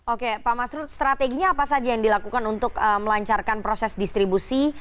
oke pak masrud strateginya apa saja yang dilakukan untuk melancarkan proses distribusi